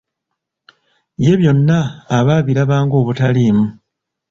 Ye byonna aba abirabanga ng'obutaliimu!